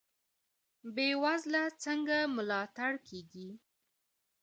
بې وزله څنګه ملاتړ کیږي؟